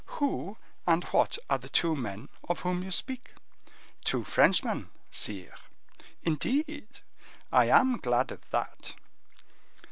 "Who and what are the two men of whom you speak?" "Two Frenchmen, sire." "Indeed! I am glad of that."